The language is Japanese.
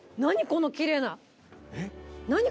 このきれいな。